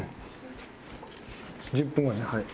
１０分後にねはい。